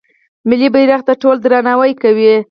ملي بیرغ ته ټول درناوی کوي.